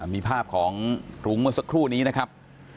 มีภาพของรุ้งเมื่อสักครู่นี้นะครับ